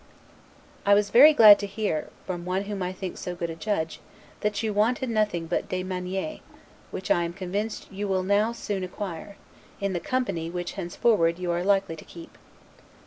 I was very glad to hear, from one whom I think so good a judge, that you wanted nothing but 'des manieres', which I am convinced you will now soon acquire, in the company which henceforward you are likely to keep.